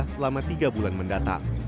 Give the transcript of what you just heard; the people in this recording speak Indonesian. selama tiga bulan mendatang